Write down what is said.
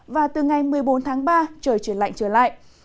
và từ ngày một mươi bốn tháng ba trời chuyển lạnh trở lại